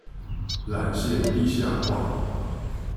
纜線地下化